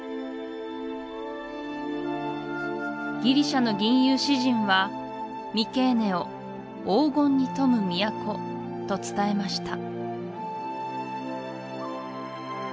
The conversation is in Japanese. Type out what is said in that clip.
ギリシャの吟遊詩人はミケーネを「黄金に富む都」と伝えました